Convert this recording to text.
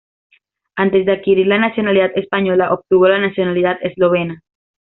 Antes de adquirir la nacionalidad española obtuvo la nacionalidad eslovena.